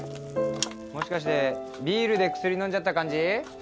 もしかしてビールで薬飲んじゃった感じ？